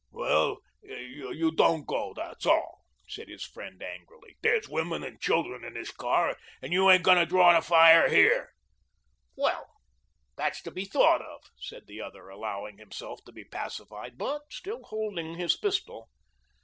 "Well, you don't go, that's all," said his friend, angrily. "There's women and children in this car. You ain't going to draw the fire here." "Well, that's to be thought of," said the other, allowing himself to be pacified, but still holding his pistol.